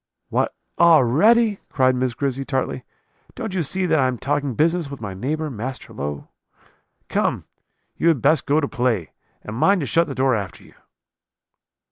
"'What, already?' cried Miss Grizzy tartly; 'don't you see that I am talking business with my neighbour, Master Low? Come, you had best go to play, and mind to shut the door after you.'